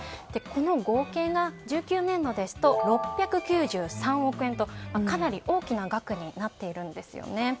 この合計が１９年度ですと６９３億円とかなり大きな額になっているんですよね。